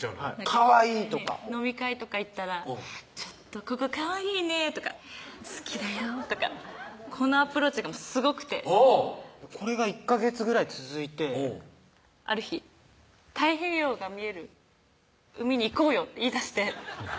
「かわいい」とか飲み会とか行ったら「ちょっとここかわいいね」とか「好きだよ」とかこのアプローチがすごくてうんこれが１ヵ月ぐらい続いてある日「太平洋が見える海に行こうよ」って言いだして何？